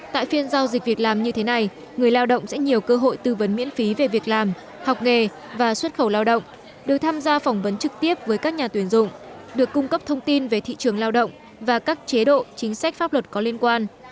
tại phiên giao dịch việc làm như thế này người lao động sẽ nhiều cơ hội tư vấn miễn phí về việc làm học nghề và xuất khẩu lao động được tham gia phỏng vấn trực tiếp với các nhà tuyển dụng được cung cấp thông tin về thị trường lao động và các chế độ chính sách pháp luật có liên quan